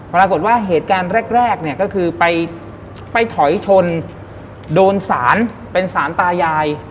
ปรากฏว่าเหตุการณ์แรกเนี่ยก็คือไปถอยชนโดนสารเป็นสารตายาย